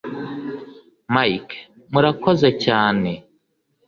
mike: murakoze cyane